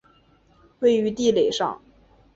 位于地垒上。